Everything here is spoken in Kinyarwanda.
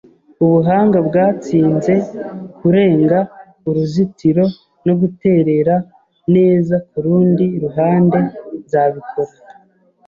ubuhanga bwatsinze kurenga uruzitiro no guterera neza kurundi ruhande. Nzabikora